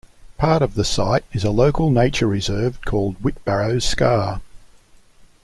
Part of the site is a local nature reserve called Whitbarrow Scar.